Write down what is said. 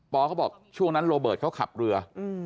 เขาบอกช่วงนั้นโรเบิร์ตเขาขับเรือ